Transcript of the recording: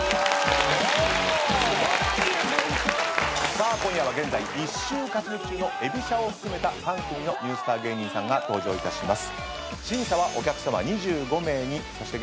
さあ今夜は現在１週勝ち抜き中のえびしゃを含めた３組のニュースター芸人さんが登場いたします。